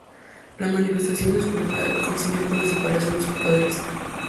La manifestación de su enfermedad coincidió con la separación de sus padres.